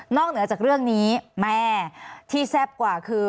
เหนือจากเรื่องนี้แม่ที่แซ่บกว่าคือ